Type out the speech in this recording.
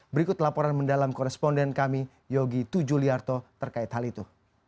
berikut laporan mendalam koresponden kami yogi tujuliarto terkait hal itu